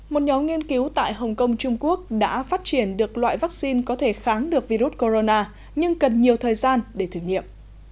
một nhóm nghiên cứu tại hồng kông trung quốc đã phát triển được loại vaccine có thể kháng được virus corona nhưng cần nhiều thời gian để thử nghiệm